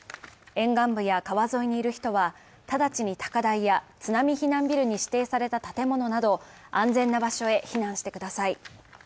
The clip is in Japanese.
沿岸部や川沿いにいる人は直ちに高台や津波避難ビルに指定された建物など安全な場所へ避難してください。